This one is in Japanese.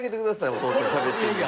お父さんがしゃべってる。